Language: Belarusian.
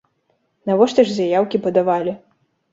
Навошта ж заяўкі падавалі?